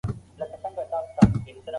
سپین سرې لښتې ته بدبخته وویل.